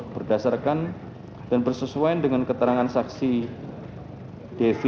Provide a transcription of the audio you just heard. berdasarkan dan bersesuaian dengan keterangan saksi devi